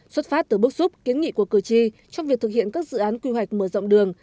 xuất phát từ bước xúc kiến nghị của cử tri trong việc thực hiện các dự án quy hoạch mở rộng đường